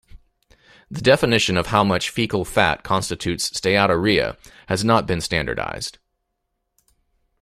The definition of how much fecal fat constitutes steatorrhea has not been standardized.